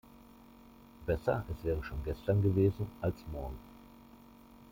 Besser, es wäre schon gestern gewesen als morgen.